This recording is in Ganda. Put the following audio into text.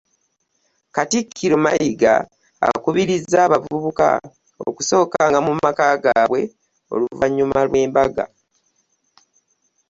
Katikkiro Mayiga akubirizza abavubuka okusookanga mu maka gaabwe oluvannyuma lw'embaga